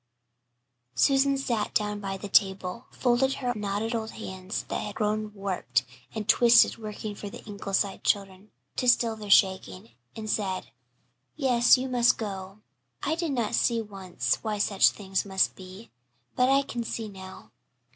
Susan sat down by the table, folded her knotted old hands, that had grown warped and twisted working for the Ingleside children to still their shaking, and said: "Yes, you must go. I did not see once why such things must be, but I can see now."